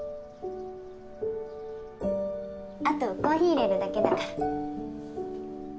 あとコーヒー入れるだけだから。